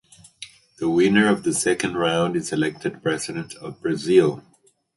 The winner of the second round is elected President of Brazil.